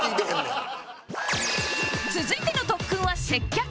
続いての特訓は接客